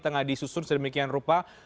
tengah disusun sedemikian rupa